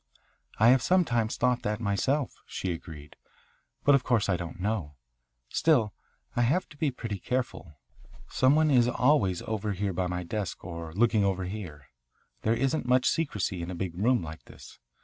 "I have sometimes thought that myself," she agreed. "But of course I don't know. Still, I have to be pretty careful. Some one is always over here by my desk or looking over here. There isn't much secrecy in a big room like this.